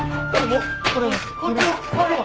これも。